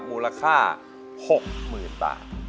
มูลค่า๖หมื่นบาท